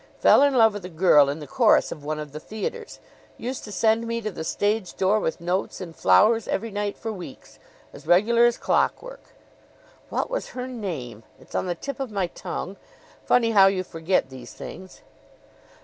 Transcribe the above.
Fell in love with a girl in the chorus of one of the theaters. Used to send me to the stage door with notes and flowers every night for weeks, as regular as clockwork. "What was her name? It's on the tip of my tongue. Funny how you forget these things!